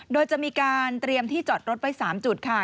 โดยจะมีการเตรียมที่จอดรถไว้๓จุดค่ะ